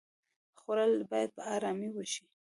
خوړل باید په آرامۍ وشي